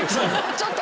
ちょっと！